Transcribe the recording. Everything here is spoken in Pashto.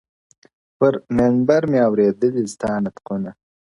پر منبر مي اورېدلي ستا نطقونه-